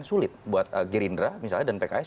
sulit buat gerindra misalnya dan pks